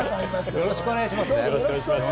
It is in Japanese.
よろしくお願いします。